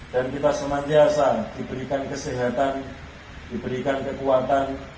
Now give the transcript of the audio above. dan kita senantiasa diberikan kesehatan diberikan kekuatan